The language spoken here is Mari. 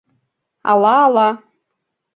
Ала-ала...